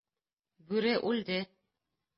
Бүре үлде!